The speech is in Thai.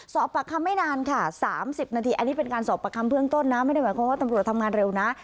สอบปากคำไม่นานค่ะ๓๐นาทีอันนี้เป็นการสอบประคำเบื้องต้นนะไม่ได้หมายความว่าตำรวจทำงานเร็วนะ